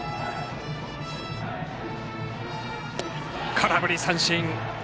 空振り三振。